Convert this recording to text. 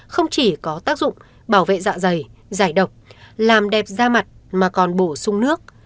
không chỉ có tác dụng bảo vệ dạ dày độc làm đẹp da mặt mà còn bổ sung nước